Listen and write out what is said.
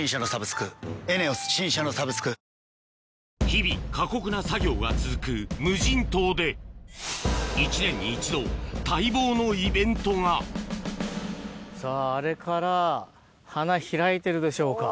日々過酷な作業が続く無人島で一年に１度待望のイベントがさぁあれから花開いてるでしょうか？